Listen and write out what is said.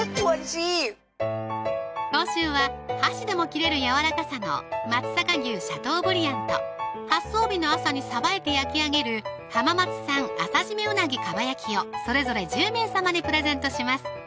おいしい今週は箸でも切れるやわらかさの「松阪牛シャトーブリアン」と発送日の朝にさばいて焼き上げる「浜松産朝じめうなぎ蒲焼き」をそれぞれ１０名様にプレゼントします